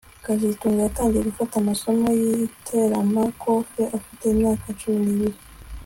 kazitunga yatangiye gufata amasomo yiteramakofe afite imyaka cumi nibiri